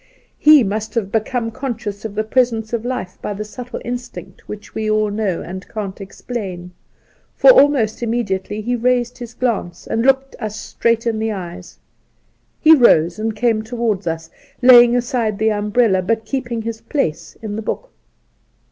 He must have become conscious of the presence of Hfe by the subtle instinct which we all know and can't explain, for almost immediately he raised his glance and looked us straight in the eyes. He rose and came towards us, laying aside the umbrella, but keeping his place in the book.